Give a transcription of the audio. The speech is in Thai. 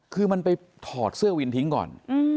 คือมันไปถอดเสื้อวินทิ้งก่อน